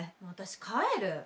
私帰る。